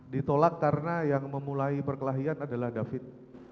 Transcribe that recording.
ditolak karena yang memulai perkelahian adalah david